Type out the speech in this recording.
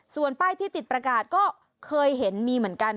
ส่วนป้ายที่ติดประกาศก็เคยเห็นมีเหมือนกัน